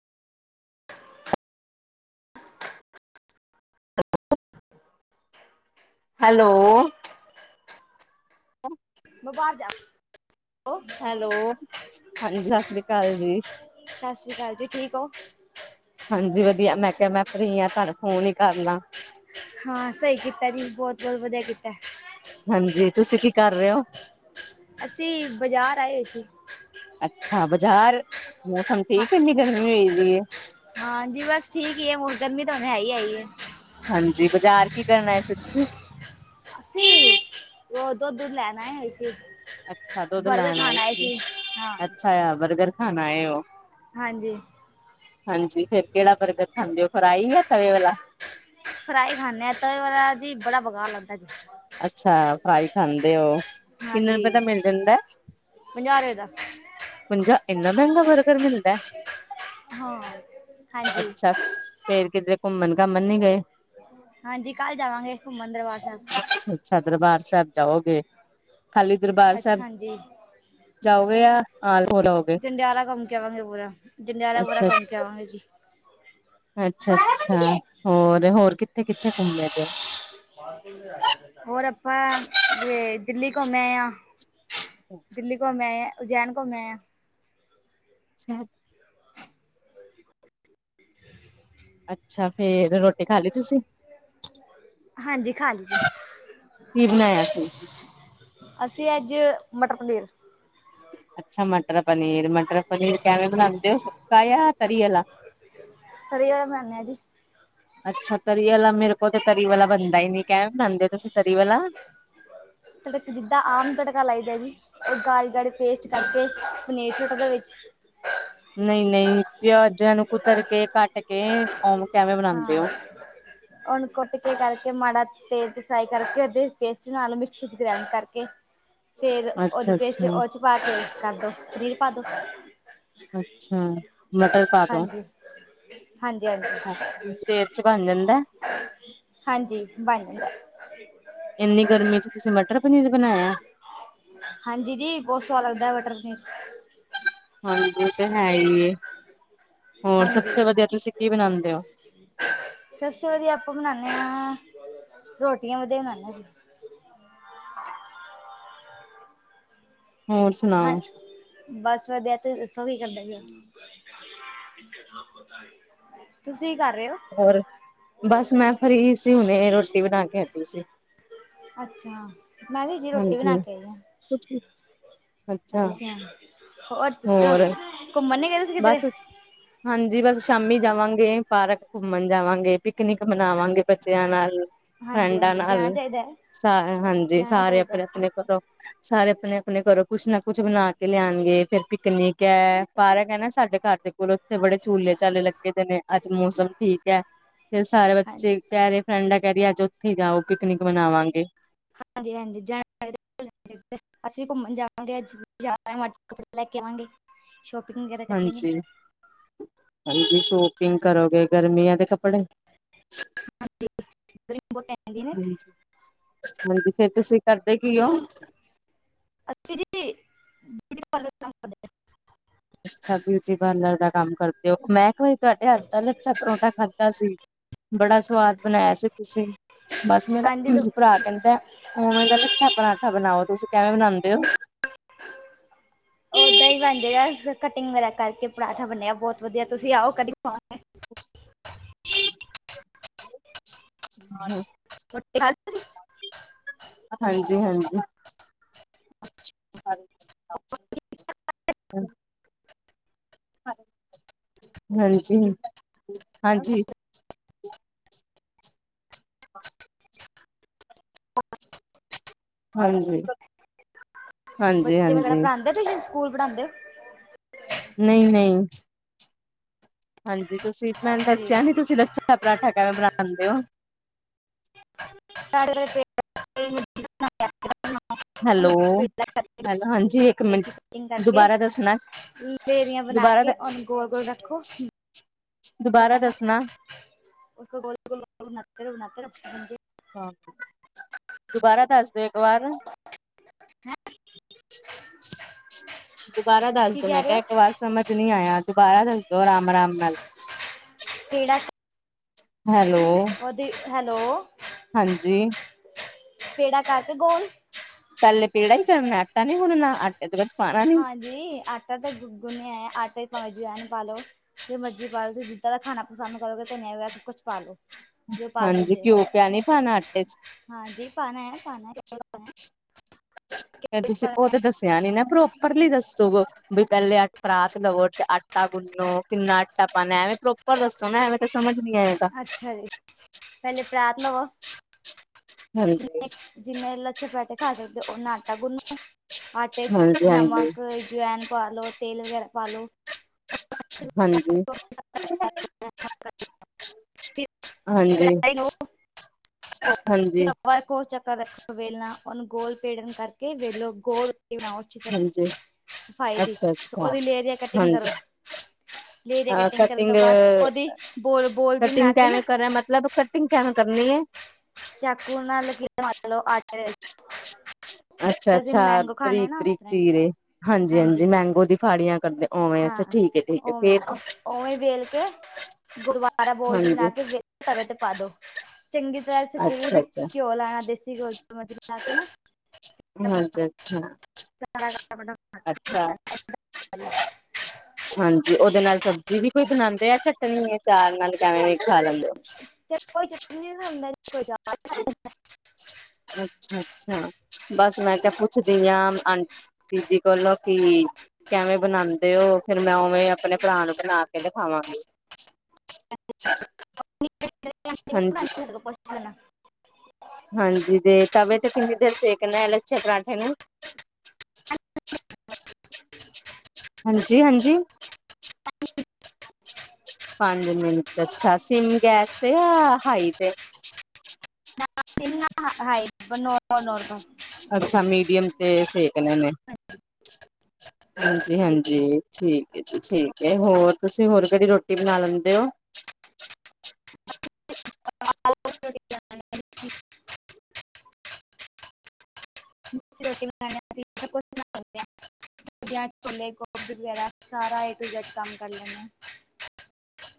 Hello [unintelligible] [inaudible] hello ਹਾਂਜੀ ਸਤਿ ਸ੍ਰੀ ਅਕਾਲ ਜੀ ਸਸ ਸ਼੍ਰੀ ਅਕਾਲ ਜੀ, ਠੀਕ ਓ? ਹਾਂਜੀ, ਵਦੀਆ ਮੈਂ ਕਿਆ ਮੈਂ ਫਰੀ ਆਂ, ਤੁਆਨੂੰ ਫੋਨ ਈ ਕਰਲਾ। ਹਾਂ, ਸਈ ਕੀਤਾ ਜੀ, ਬੋਤ-ਬੋਤ ਵਦੀਆ ਕੀਤਾ। ਹਾਂਜੀ, ਤੁਸੀਂ ਕੀ ਕਰ ਰਹੇ ਓ? ਅਸੀਂ ਬਜ਼ਾਰ ਆਏ ਹੋਏ ਸੀ। ਅੱਛਾ ਬਾਜ਼ਾਰ, ਮੌਸਮ ਠੀਕ ਏਨੀ ਗਰਮੀ ਹੋਈ ਵੀ ਏ। ਹਾਂਜੀ, ਬਸ ਠੀਕ ਈ ਐ ਮੁੜ, ਗਰਮੀ ਤਾਂ ਹੁਨੇ ਹੈ ਹੀ ਆਈ ਐ। ਹਾਂਜੀ, ਬਾਜ਼ਾਰ ਕੀ ਕਰ ਆਏ ਸੀ ਤੁਸੀਂ? ਅਸੀ, ਓ ਦੁੱਧ ਦੁੱਧ ਲੈਣ ਆਏ ਹੋਏ ਸੀੇ। ਅੱਛਾ ਦੁੱਧ ਬਰਗਰ ਲੈਣ ਖਾਣ ਆਏ ਸੀ। ਅੱਛਾ, ਐ ਬਰਗਰ ਖਾਣ ਆਏ ਓ। ਹਾਂਜੀ। ਹਾਂਜੀ, ਫੇਰ ਕੇੜਾ ਬਰਗਰ ਖਾਂਦੇ ਓ, ਫਰਾਈ ਆ ਸਵੇ ਵਾਲਾ। ਫਰਾਈ ਖਾਂਣੇ ਆ, ਤੇ ਜੀ ਬੜਾ ਬਗਾਅ ਲੱਗਦਾ ਜੀ। ਅੱਛਾ, ਫਰਾਈ ਖਾਂਦੇ ਓ। ਹਾਂਜੀ, ਪੰਜਾਂਹ ਰਪੇ ਦਾ। ਪੰਜਾ ਏਨਾ ਮੈਂਗਾ ਬਰਗਰ ਮਿਲਦਾ। ਹਾਂ। ਹਾਂਜੀ ਅੱਛਾ-ਅੱਛਾ, ਫੇਰ ਕਿਤੇ ਘੁੰਮਣ-ਘਾਮਣ ਨੀ ਗਏ। ਹਾਂਜੀ, ਕੱਲ ਜਾਵਾਂਗੇ, ਘੁੰਮਣ ਦਰਬਾਰ ਸਾਹਿਬ। ਅੱਛਾ-ਅੱਛਾ, ਦਰਬਾਰ ਸਾਹਿਬ ਜਾਓਗੇ, ਖਾਲੀ ਦਰਬਾਰ ਸਾਹਿਬ ਅੱਛਾ ਜੀ ਜਾਓਗੇ ਯਾ [inaudible] ਜੰਡਿਆਲਾ ਅੱਛਾ। ਜਾਵਾਂਗੇ ਜੀ। ਅੱਛਾ-ਅੱਛਾ, ਹੋਰ-ਹੋਰ, ਕਿੱਥੇ-ਕਿੱਥੇ ਘੁੰਮੇ ਲੇਤੇ ਓ। ਹੋਰ ਆਪਾਂ, ਏ ਦਿੱਲੀ ਘੁੰਮ ਆਏ ਆਂ। ਦਿੱਲੀ ਘੁੰੰਮ ਆਏ ਆਂ, ਉਜੈਨ ਘੁੰਮ ਆਏ ਆਂ। [inaudible] ਅੱਛਾ, ਫੇਰ ਰੋਟੀ ਖਾ ਲਈ ਤੁਸੀਂ? ਹਾਂਜੀ, ਖਾਲੀ ਸੀ। ਕੀ ਬਣਾਇਆ ਸੀ। ਅਸੀਂ ਅੱਜ ਮਟਰ ਪਨੀਰ। ਅੱਛਾ, ਮਟਰ ਪਨੀਰ, ਮਟਰ ਪਨੀਰ ਕੈਵੇਂ ਬਣਾਦੇ ਔ, ਸੁੱਕਾ ਯਾ ਤਰੀ ਆਲਾ। ਤਰੀ ਵਾਲਾ ਬਣਾਨੇ ਆਂ ਜੀ। ਅੱਛਾ, ਤਰੀ ਵਾਲਾ, ਮੇਰੇ ਕੋਲ ਤੇ ਤਰੀ ਵਾਲਾ ਬਣਦਾ ਹੀ ਨਹੀਂ, ਕੈਂਵੇ ਬਣਾਉਂਦੇ ਉ ਤੁਸੀਂ ਤਰੀ ਵਾਲਾ। ਤੜਕ, ਜਿੱਦਾਂ ਆਮ ਤੜਕਾ ਲਾਈਦਾ ਜੀ। ਉਹ ਗਾੜੀ ਗਾੜੀ ਪੇਸਟ ਕਰਕੇ, ਪਨੀਰ ਸੁਟ ਦੋ ਵਿੱਚ। ਨਈ-ਨਈ, ਪਿਆਜਾਂ ਨੂੰ ਕੁਤਰ ਕੇ ਕੱਟ ਕੇ ਕਿਵੇਂ ਬਣਾਉਂਦੇ ਹਾਂ, ਹੋ ਉਹ ਨੂੰ ਕੁਟ ਕੇ ਕਰਕੇ ਮਾੜਾ ਤੇਲ ਚ ਫਰਾਈ ਕਰਕੇ, ਉਧੇ ਪੇਸਟ ਬਨਾਲੋ ਮਿਕਸੀ ਚ ਗਰਾਈਂਡ ਕਰਕੇ। ਫਿਰ ਉਹੀ ਅੱਛਾ ਪੇਸਟ ਅੱਛਾ ਉਦੇ 'ਚ ਪਾ ਕੇ ਕਰਦੋ, ਪਨੀਰ ਪਾ ਦੋ। ਅੱਛਾ, ਮਟਰ ਪਾ ਦੋ। ਹਾਂਜੀ-ਹਾਂਜੀ ਕਿੰਨੀ ਦੇਰ ਚ ਬਣ ਜਾਂਦਾਂ ਐ। ਹਾਂਜੀ ਬਣ ਜਾਂਦਾ ਇੰਨੀ ਗਰਮੀ ਚ ਤੁਸੀਂ ਮਟਰ ਪਨੀਰ ਬਣਾਇਆ। ਹਾਂਜੀ ਜੀ ਜੀ, ਬਹੁਤ ਸਵਾਦ ਲੱਗਦਾ ਮਟਰ ਪਨੀਰ। ਹਾਂਜੀ ਉ ਤੇ ਹੈ ਈ ਏ, ਹੋਰ ਸਭ ਹਾਂਜੀ ਸੇ ਵਧੀਆ ਤੁਸੀਂ ਕੀ ਬਨਾਨਦੇ ਹੋ। ਸਭ ਸੇ ਵਧੀਆ ਆਪਾਂ ਬਣਾਨੇ ਆਂ, ਰੋਟੀਆਂ ਵਧੀਆ ਬਣਾਨੇ ਆਂ। ਹੋਰ ਹਾਂ ਸੁਣਾਓ। ਬਸ ਵਧੀਆ। ਤੂਸੀ ਦਸੋ ਕੀ ਕਰਦੇ ਪਏ ਉ? ਤੁਸੀਂ ਕੀ ਕਰ ਰਹੇ ਔ ਹੋਰ, ਬਸ ਮੈਂ ਫ੍ਰੀ ਸੀ ਹੁਣੇ, ਹੁਣੇ ਰੋਟੀ ਬਣਾ ਕੇ ਹਟੀ ਸੀ। ਅੱਛਾ। ਮੈਂ ਵੀ ਹਜੇ ਰੋਟੀ ਬਣਾ ਹਾਂਜੀ ਕੇ ਆਈ ਆਂ। ਅੱਛਾ। ਹੋਰ ਦਸੋ, ਘੁੰਮਣ ਨਈ ਗਏ ਤੁਸੀ ਕਿਧਰੇ। ਬਸ ਹਾਂਜੀ, ਬਸ ਸ਼ਾਮੀ ਜਾਵਾਂਗੇ, ਪਾਰਕ ਘੁੰਮਣ ਜਾਵਾਂਗੇ, ਪਿਕਨਿਕ ਮਨਾਵਾਂਗੇ ਬੱਚਿਆਂ ਨਾਲ। ਹਾਂਜੀ ਫਰੈਂਡਾਂ ਹਾਂਜੀ ਜਾਣਾ ਨਾਲ, ਚਾਹੀਦਾ ਹੈ ਸ ਹਾਂਜੀ ਜਾਣਾ ਸਾਰੇ ਚਾਹੀਦਾ ਆਪਣੇ ਆਪਣੇ ਘਰੋ ਸਾਰੇ ਆਪਣੇ-ਆਪਣੇ ਘਰੋਂ ਕੁਛ ਨਾ ਕੁਛ ਬਣਾ ਕੇ ਲਿਆਣਗੇ, ਫੇਰ ਪਿਕਨਿਕ ੲੈ, ਪਾਰਕ ਏ ਨਾ ਸਾਡੇ ਘਰ ਦੇ ਕੋਲ ਉਥੇ ਬੜੇ ਝੂਲੇ-ਝਾਲੇ ਲੱਗੇ ਦੇ ਨੇ, ਅੱਜ ਮੌਸਮ ਠੀਕ ੲੈ। ਫੇਰ ਸਾਰੇ ਹਾਂ ਹਾਂਜੀ ਬੱਚੇ ਕਹਿ ਰਹੇ ਫਰੈਂਡਾਂ ਕਹ ਰਹੀਆਂ, ਅੱਜ ਉੱਥੇ ਹੀ ਜਾਓ ਪਿਕਨਿਕ ਮਨਾਵਾਂਗੇ। ਹਾਂਜੀ ਹਾਂਜੀ ਜਾਣਕਾਰੀ ਅਸੀਂ ਵੀ ਘੁੰਮਣ ਜਾਵਾਂਗੇ ਅੱਜ। ਮਾਰਕਿਟ ਜਾਣਾ ਏ ਅਜ ਕਪੜੇ ਲੈ ਕੇ ਆਵਾਂਗੇ। ਸ਼ੋਪਿੰਗ ਵਗੈਰਾ ਕਰਾਗੇਂ। ਹਾਂਜੀ ਹਾਂਜੀ ਸ਼ੋਪਿੰਗ ਕਰੋਗੇ। ਗਰਮੀਆਂ ਦੇ ਕੱਪੜੇ ਗਰਮੀ ਬਹੁਤ ਪੈਂਦੀ ਹੈ ਨਾ ਇੱਥੇ ਹਾਂਜੀ ਹਾਂਜੀ, ਫੇਰ ਤੁਸੀਂ ਕਰਦੇ ਕੀ ਉ। ਅਸੀ ਜੀ [unintelligible] ਅੱਛਾ ਬਿਊਟੀ ਪਾਰਲਰ ਦਾ ਕੰਮ ਕਰਦੇ ਉ। ਮੈਂ ਇਕ ਵਾਰੀ ਤੁਹਾਡੇ ਹੱਥ ਦਾ ਲਛਾ ਪਰੌਂਠਾ ਖਾਧਾ ਸੀ। ਬੜਾ ਸਵਾਦ ਬਣਾਇਆ ਸੀ ਤੁਸੀਂ। ਬਸ ਹਾਂ ਮੇਰਾ, ਹਾਂਜੀ ਦੁ- ਭਰਾ ਕਹਿੰਦਾ ਐ ਉਵੇ ਦਾ ਲਛਾ ਪਰਾਂਠਾ ਬਣਾਓ, ਤੁਸੀਂ ਕੈਂਵੇਂ ਬਨਾਂਦੇ ਉ। ਓਦਾਂ ਹੀ ਬਣ ਜਾਏਗਾ। ਕਟਿੰਗ ਵਾਲਾ ਕਰਕੇ ਪਰਾਂਠਾ ਬਣਿਆ ਬਹੁਤ ਵਧੀਆ, ਤੁਸੀਂ ਆਓ ਕਦੀ ਖਵਾਵਾਗੇ। ਹ [unintelligible] ਰੋਟੀ ਖਾ ਲਈ ਤੁਸੀਂ। ਹਾਂਜੀ, ਹਾਂਜੀ। [inaudible] ਹ ਹਾਂਜੀ, ਹਾਂਜੀ। ਹਾਂ। [inaudible] ਹਾਂਜੀ ਹਾਂਜੀ ਬੱਚੇ ਵਗੈਰਾ ਹਾਂਜੀ ਪੜਾਂਦੇ ਤੁਸੀਂ ਸਕੂਲ ਪੜ੍ਹਾਦੇ ਓ। ਨਈ-ਨਈ। ਹਾਂਜੀ ਤੁਸੀਂ ਮੈਨੂ ਅੱਛਾ ਜੀ ਦੱਸਿਆ ਨੀ ਤੁਸੀਂ ਲੱਛਾਂ ਪਰਾਂਠਾ ਕੈਵੇਂ ਬਣਾਂਦੇ ਓ [inaudible] [inaudible] ਹੈਲੋ ਹੈਲੋ ਹਾਂਜੀ ਇੱਕ [unintelligible] ਮਿੰਟ ਕਟਿੰਗ ਕਰਕੇ ਦੁਬਾਰਾ ਦੱਸਣਾ ਲੇਰੀਆਂ ਬਣਾ ਦੁਬਾਰਾ ਕੇ ਓਨੂੰ ਗੋਲ-ਗੋਲ ਰੱਖ ਕੋਫੀ ਦੁਬਾਰਾ ਦੱਸਣਾ [unintelligible] ਉਸਕੋ ਗੋਲ-ਗੋਲ ਬਨਾਤੇ ਰਹੋ ਬਨਾਤੇ ਰਹੋ ਬਣ ਹਾਂ ਦੁਬਾਰਾ ਦੱਸ ਦੇਆ ਏਕ ਵਾਰ ਨਾ ਦੁਬਾਰਾ ਦੱਸ ਕੀ ਦੋ ਕਹਿ ਮੈਂ ਰਹੇ ਕੈਆ ਹੋ ਏਕ ਵਾਰ ਸਮਝ ਚ ਨੀ ਆਯਾ ਦੁਬਾਰਾ ਦੱਸ ਦੋ ਆਰਾਮ-ਰਾਮ ਨਾਲ ਪੇੜਾ ਹੈਲੋ ਓਦੀ ਹੈਲੋ ਹਾਂਜੀ। ਪੇਹੜਾ ਕਰਕੇ ਗੋਲ--‌ ਪੈਲੇ ਪੇੜਾ ਈ ਕਰਨਾ ਐ ਆਟਾ ਨੀ ਗੁਨਣਾ ਆਟਾ ਦੇ ਵਿ ਹਾਂਜੀ ਆਟਾ ਤਾਂ ਗੁ ਗੁਣਿਆ ਐ ਆਟਾ ਚ ਬਾਵੇ ਜਵੈਨ ਪਾ ਲਓ ਜੋ ਮਰਜ਼ੀ ਪਾ ਲੋ ਤੁਸੀ ਜਿਦਾ ਦਾ ਖਾਣਾ ਪਸੰਦ ਕਰੋਗੇ ਧਨੀਆ ਵਗੈਰਾ ਸਭ ਕੁਛ ਪਾ ਲੋ। ਹਾਂਜੀ ਕਿਓ ਪਿਆ ਨਈ ਪਾਣਾ ਆਟੇ ਚ ਹਾਂਜੀ ਪਾਣਾ ਐ ਪਾਣਾ ਐ ਪਾਣਾ ਐ ਤੁਸੀਂ ਖੋਦ ਦੱਸਿਆ ਨੀ ਨਾ ਪ੍ਰੋਪਰਲੀ ਦੱਸੋਗੋ ਸਗੋ ਵੀ ਪੈਲੇ ਪਰਾਤ ਲਵੋ ਤੇ ਆਟਾ ਗੁੰਨੋ ਕਿੰਨਾ ਆਟਾ ਪਾਣਾ ਐਵੇਂ ਪ੍ਰੋਪਰ ਦੱਸੋ ਨਾ ਐਵੇਂ ਫੇਰ ਸਮਝ ਨੀ ਆਏ ਅੱਛਾ ਜੀ ਪੈਲੇ ਪਰਾਤ ਲਵੋ ਹਾਂਜੀ ਜਿੰਨੇ, ਜਿੰਨੇ ਲੱਛੇ ਪਰਾਡੇ ਖਾ ਸਕਦੇ ਓਨਾ ਆਟਾ ਗੁੰਨੋ ਆਟੇ ਹਾਂਜੀ ਚ ਹਾਂਜੀ ਨਮਕ ਜਵੈਨ ਪਾ ਲੋ ਤੇਲ ਵਗੈਰਾ ਪਾ ਲੋ ਹਾਂਜੀ। ਫਿਰ ਹਾਂਜੀ ਕੜਾਈ ਲੋ ਹਾਂਜੀ ਕਓ ਪਹ ਗੋਲ ਚੱਕਰ ਰੱਖਣ ਵੇਲਣਾ ਓਨੂੰ ਗੋਲ ਪੇੜ ਨੂੰ ਕਰਕੇ ਵੇਲੋ ਗੋਲ ਰੋਟੀ ਬਣਾਓ ਅਛੀ ਤਰ੍ਹਾਂ ਹਾਂਜੀ ਸਫਾਈ ਦੀ ਅੱਛਾ ਅੱਛਾ ਓਦੀ ਲੇਅਰ ਜਾਂ ਕਟਿੰਗ ਕਰੋ ਹਾਂਜੀ ਲੇਰ ਦੀ ਕਟਿੰਗ ਕਰਨ ਤੋਂ ਬਾਦ ਓਦੀ ਬੋਲ-ਬੋਲ ਜੀ ਬਨਾ ਕੇ ਨਾ ਟਿੰਗ ਕੇਵੇ ਕਰਨੀ ਏ ਚਾਕੂ ਨਾਲ [unintelligible] ਆਟੇ ਅਸੀਂ ਅੱਛਾ-ਅੱਛਾ ਮੈਂਗੋ ਖਾਣੇ ਨਾ ਉਸ ਬਰੀਕ-ਬਰੀਕ ਤਰ੍ਹਾਂ ਹੀ ਚੀਰੇ ਹਾਂਜੀ-ਹਾਂਜੀ ਹਾਂਜੀ ਮੈਂਗੋ ਦੀ ਫਾੜੀਆਂ ਕਰਦੇ ਉਵੇਂ ਅੱਛਾ ਹਾਂ ਠੀਕ ਹੈ-ਠੀਕ ਹੈ, ਫੇਰ ਓਵੀ, ਓਵੀ ਵੇਲ ਕੇ ਗੁਬਾਰਾ ਬੋਲ ਜੀ ਹਾਂਜੀ ਬਣਾ ਕੇ ਤਵੇ ਤੇ ਪਾ ਦੋ ਚੰਗੀ ਤਰਾ ਸੀ ਗ੍ਰੀਸ ਤੇ ਅੱਛਾ-ਅੱਛਾ, ਕਿਓ ਲਾਯਾ ਦੇਸੀ ਕਿਓ ਚ ਮਤਲਬਾ ਲਾ ਕੇ ਨਾ ਆਪਣਾ ਹਾਂਜੀ ਅੱਛਾ, ਸਾਰਾ ਆਪਣਾ ਅੱਛਾ ਹਾਂਜੀ ਓਦੇ ਨਾਲ ਸਬਜ਼ੀ ਵੀ ਕੋਈ ਬਣਾਦੇ ਆ ਚਟਨੀ ਯਾਂ ਚਾਰ ਨਾਲ ਕਿਵੇਂ ਖਾ ਲਦੇ ਹੋ। ਕੋਈ ਚਟਨੀ ਨੀ ਬਣਾਦੇ ਕੋਈ ਦਾਲ ਅੱਛਾ ਅੱਛਾ। ਬਸ ਮੈਂ ਕੇਆ ਪੁੱਛਦੀ ਆਂ ਆਂਟ ਜੀ ਕੋਲ਼ੋਂ ਕਿ ਕੈਵੇਂ ਬਨਾਂਦੇ ਓ। ਫੇਰ ਮੈਂ ਓਵੇਂ ਅਪਣੇ ਭਰਾ ਨੂੰ ਬਣਾ ਕੇ ਦਖਾਵਾਂਗੀ। [unintelligible] ਹਾਂਜੀ। [unintelligible] ਹਾਂਜੀ ਦੇ ਤਾਵੇ। ਤੇ ਕਿਨੀ ਦੇਰ ਸੇਕਨਾ ਐ ਲੱਛੇ ਪਰਾਂਠੇ ਨੂੰ? ਹਾਂਜੀ ਹਾਂਜੀ। ਪੰਜ ਮਿੰਟ। ਅੱਛਾ ਸਿਮ ਗੈਸ ਤੇ ਯਾਂ ਹਾਈ ਤੇ? ਕਿਨਾਂ ਹਾਈ ਨੋਰਮਲ ਨੋਰਮਲ। ਅੱਛਾ, ਮੀਡੀਅਮ ਤੇ ਸੇਕਨੇ ਨੇ। ਹਾਂਜੀ ਹਾਂਜੀ ਠੀਕ ਐ ਜੀ ਠੀਕ ਏ। ਹੋਰ ਤੁਸੀ ਹੋਰ ਕੇੜੀ ਰੋਟੀ ਬਣਾ ਲੈਂਦੇ ਓ? [unintelligible] [unintelligible] ਛੋਲੇ ਗੋਭੀ ਵਗੈਰਾ ਸਾਰਾ ਏ ਟੂ ਜੈਡ ਕੰਮ ਕਰ ਲੈਨੇ ਆਂ।